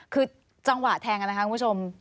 คือจังหวะแทงกันนะคะคุณผู้ชม